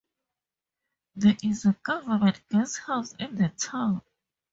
There is a government guest house in the town.